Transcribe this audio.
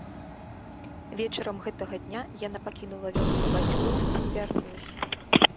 Вечарам гэтага дня яна пакінула вёску бацькоў і не вярнулася.